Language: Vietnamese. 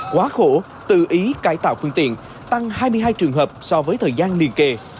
quá khổ tự ý cải tạo phương tiện tăng hai mươi hai trường hợp so với thời gian liên kề